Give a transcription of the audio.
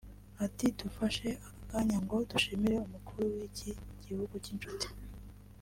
Ati “Dufashe aka kanya ngo dushimire umukuru w’iki gihugu cy’inshuti